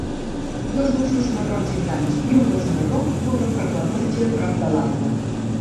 Dos gossos marrons i blancs i un gos marró corren per la platja a prop de l'aigua.